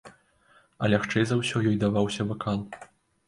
А лягчэй за ўсё ёй даваўся вакал.